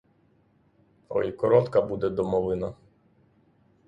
Ой, коротка буде домовина.